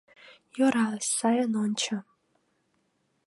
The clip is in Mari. — Йӧра, сайын ончо...